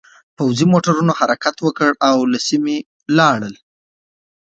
پوځي موټرونو حرکت وکړ او له سیمې لاړل